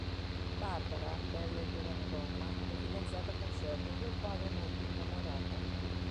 Barbara, bella e giovane donna, è fidanzata con Sergio del quale è molto innamorata.